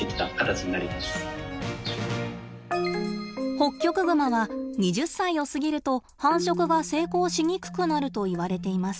ホッキョクグマは２０歳を過ぎると繁殖が成功しにくくなるといわれています。